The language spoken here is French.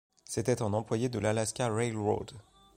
C'était un employé de l'Alaska Railroad.